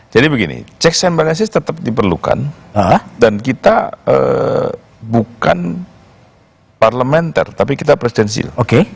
jadi begini cek and balances tetap diperlukan dan kita bukan parliamentary tapi kita presidensial